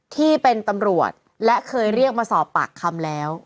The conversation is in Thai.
ที่เป็นตำรวจและเคยเรียกมาสอบปากคำแล้ว